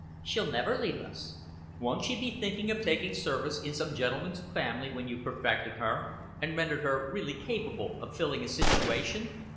"She'll never leave us." "Won't she be thinking of taking service in some gentleman's family when you've perfected her, and rendered her really capable of filling a situation?"